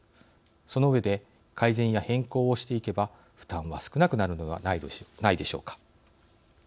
その上で改善や変更をしていけば負担は少なくなるのではないでしょうか。